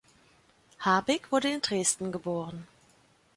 Harbig wurde in Dresden geboren.